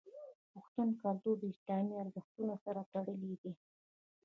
پښتون کلتور د اسلامي ارزښتونو سره تړلی دی.